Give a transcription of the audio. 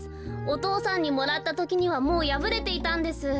お父さんにもらったときにはもうやぶれていたんです。